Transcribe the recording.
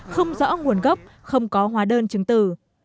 không rõ nguồn gốc không có hóa đơn chứng tử